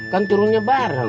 kan turunnya bareng